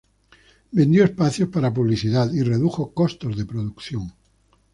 Vendió espacios para publicidad y redujo costos de producción.